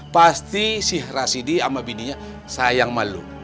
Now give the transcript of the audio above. pasti si rasidi sama bininya sayang malu